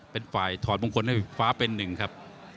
เป็นฝ่ายถอดมงคลให้ฟ้าเป็นหนึ่งครับ